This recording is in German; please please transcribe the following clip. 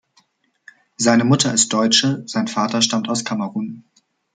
Seine Mutter ist Deutsche, sein Vater stammt aus Kamerun.